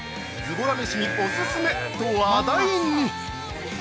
「ズボラ飯におすすめ」と話題に！